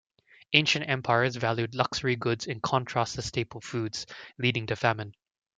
Ancient empires valued luxury goods in contrast to staple foods, leading to famine.